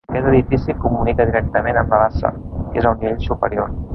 Aquest edifici comunica directament amb la bassa, que és a un nivell superior.